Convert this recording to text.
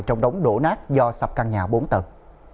trong đống đổ nát do sập căn nhà bốn tầng